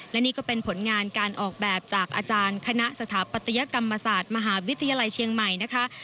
และนี่ก็เป็นผลงานการออกแบบจากอาจารย์คณะสถาปัตยกรรมศาสตร์มหาวิทยาลัยเชียงใหม่นะคะ